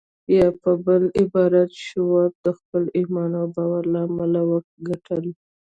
يا په بل عبارت شواب د خپل ايمان او باور له امله وګټل.